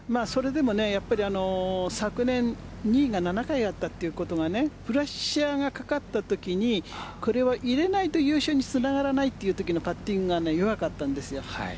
それでもやっぱり昨年２位が７回あったということがプレッシャーがかかったときにこれを入れないと優勝につながらないというときのパッティングが弱かったんです。